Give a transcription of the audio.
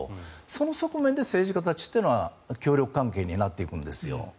その側面で政治家たちというのは協力関係になっていくんですよ。